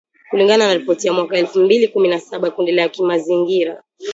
kulingana na ripoti ya mwaka elfu mbili kumi na saba ya kundi la kimazingira